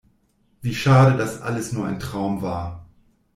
Wie schade, dass alles nur ein Traum war!